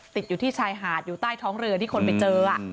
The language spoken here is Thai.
ติดอยู่ที่ชายหาดอยู่ใต้ท้องเรือที่คนไปเจอ